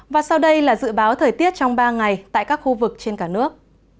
và sau đây là dự báo thời tiết trong ba ngày tại các khu vực trên cả nước